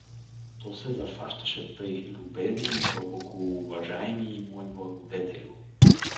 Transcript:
То се зафащаше тъй: „Любезний и глъбокоуважаемий мой благодетелю!